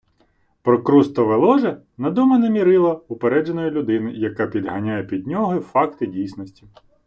Прокрустове ложе - надумане мірило упередженої людини, яка підганяє під нього факти дійсності